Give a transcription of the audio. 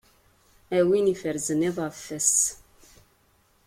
A win iferzen iḍ ɣef wass.